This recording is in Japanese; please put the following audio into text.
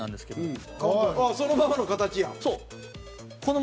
蛍原：そのままの形やん。